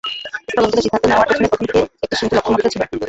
স্থল অভিযানের সিদ্ধান্ত নেওয়ার পেছনে প্রথম দিকে একটি সীমিত লক্ষ্যমাত্রা ছিল।